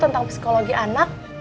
tentang psikologi anak